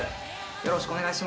よろしくお願いします。